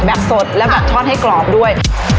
สดและแบบทอดให้กรอบด้วย